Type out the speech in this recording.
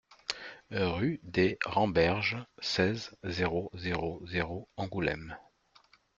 Rue des Remberges, seize, zéro zéro zéro Angoulême